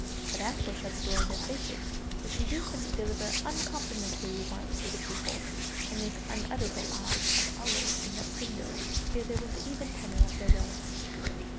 But Aspel shut the door in their faces, which induced them to deliver uncomplimentary remarks through the keyhole, and make unutterable eyes at the owl in the window ere they went the even tenor of their way.